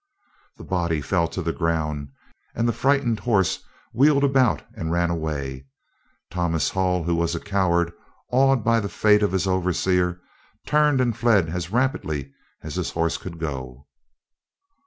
The body fell to the ground, and the frightened horse wheeled about and ran away. Thomas Hull, who was a coward, awed by the fate of his overseer, turned and fled as rapidly as his horse could go.